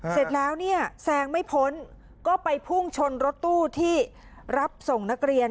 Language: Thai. เสร็จแล้วเนี่ยแซงไม่พ้นก็ไปพุ่งชนรถตู้ที่รับส่งนักเรียน